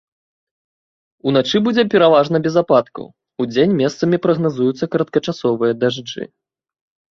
Уначы будзе пераважна без ападкаў, удзень месцамі прагназуюцца кароткачасовыя дажджы.